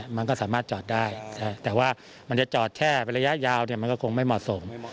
มันก็สามารถจอดได้แต่ว่ามันจะจอดแค่เป็นระยะยาวมันก็คงไม่เหมาะสม